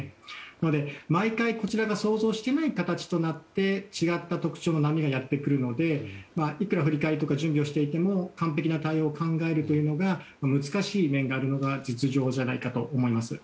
なので毎回こちらが想像していない形となって違った特徴の波がやってくるのでいくら振り返りとか準備をしていても完璧な対応を考えるのは難しい面があるのが実情じゃないかと思います。